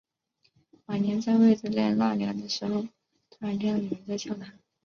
晚间，在院子里纳凉的时候，突然听到有人在叫他